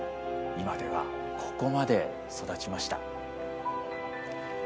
今では、ここまで育ちました。